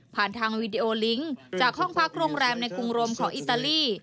ทางวีดีโอลิงก์จากห้องพักโรงแรมในกรุงรมของอิตาลี